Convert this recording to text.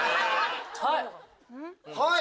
はい！